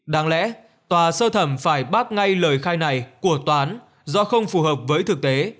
đáng lẽ tòa sơ thẩm phải báp ngay lời khai này của toán do không phù hợp với thực tế